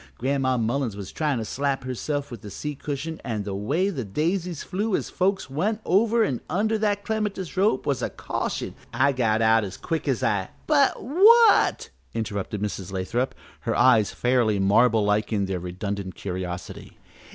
Gran'ma Mullins was tryin' to slap herself with the seat cushion, an' the way the daisies flew as folks went over an' under that clematis rope was a caution. I got out as quick as I " "But what " interrupted Mrs. Lathrop, her eyes fairly marble like in their redundant curiosity.